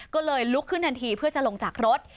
ก็เลยลุกขึ้นทันทีเพื่อจะลงจากรถ